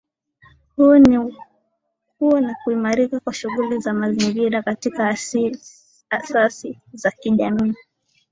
Huo ni kuimarika kwa shughuli za mazingira katika asasi za kijamii